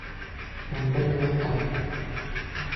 Ун бер минуттан!